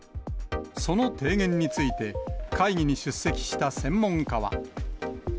その提言について、会議に出席した専門家は。